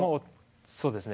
そうですね。